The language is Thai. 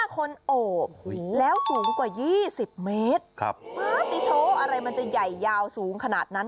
๕คนโอบแล้วสูงกว่า๒๐เมตรโทอะไรมันจะใหญ่ยาวสูงขนาดนั้น